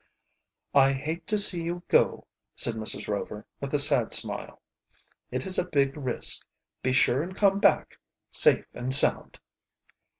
"I hate to see you go," said Mrs. Rover, with a sad smile. "It is a big risk. Be sure and come back safe and sound."